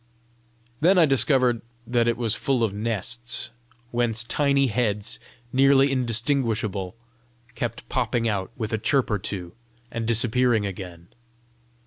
Then I discovered that it was full of nests, whence tiny heads, nearly indistinguishable, kept popping out with a chirp or two, and disappearing again.